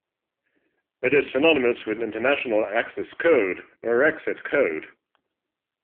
It is synonymous with international access code or exit code.